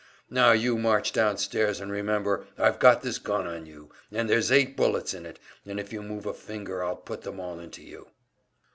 "Now, you march downstairs, and remember, I've got this gun on you, and there's eight bullets in it, and if you move a finger I'll put them all into you."